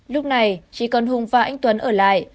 lúc này chỉ còn hùng và anh tuấn ở lại